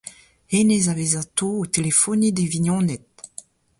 Hennezh a vez atav o telefoniñ d'e vignoned.